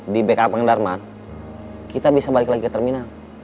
di bka pengendarmang kita bisa balik lagi ke terminal